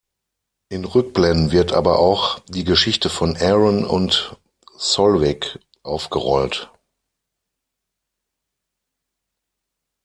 In Rückblenden wird aber auch die Geschichte von Aron und Solveig aufgerollt.